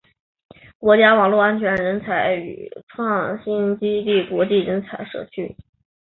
国家网络安全人才与创新基地国际人才社区